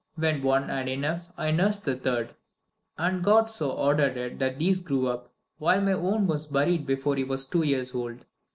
When one had enough I nursed the third. And God so ordered it that these grew up, while my own was buried before he was two years old.